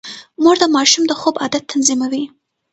مور د ماشوم د خوب عادت تنظيموي.